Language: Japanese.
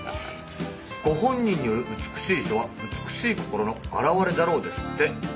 「ご本人による美しい書は美しい心の表れだろう」ですって。